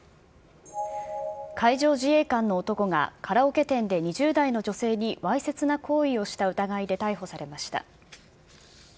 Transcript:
海上自衛官の男が、カラオケ店で２０代の女性にわいせつな行為をした疑いで逮捕されました。